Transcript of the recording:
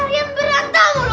kalian berantem mulu